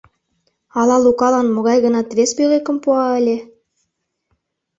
Ала Лукалан могай-гынат вес пӧлекым пуа ыле?